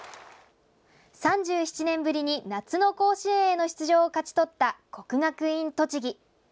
３７年ぶりに夏の甲子園への出場を勝ち取った国学院栃木。